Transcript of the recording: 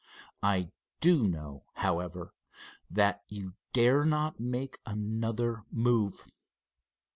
"I do know, however, that you dare not make another move.